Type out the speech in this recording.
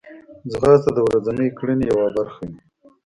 ځغاسته د ورځنۍ کړنې یوه برخه وي